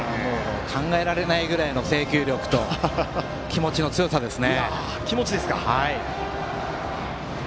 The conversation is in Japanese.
考えられないぐらいの制球力と気持ちの強さですね。